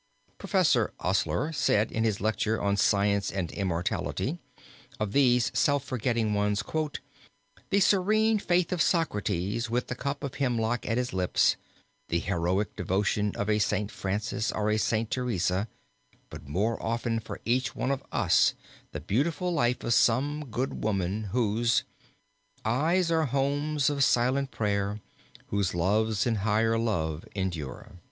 Professor Osler said, in his lecture on Science and Immortality, of these self forgetting ones: "The serene faith of Socrates with the cup of Hemlock at his lips, the heroic devotion of a St. Francis or a St. Teresa, but more often for each one of us the beautiful life of some good woman whose Eyes are homes of silent prayer, ... Whose loves in higher love endure.